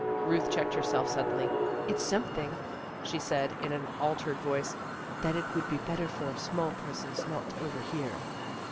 Ruth checked herself suddenly. " It's something," she said in an altered voice " that it would be better for small persons not to overhear."